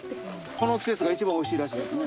この季節が一番おいしいらしいですね。